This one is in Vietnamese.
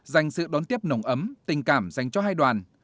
dành sự đón tiếp nồng ấm tình cảm dành cho hai đoàn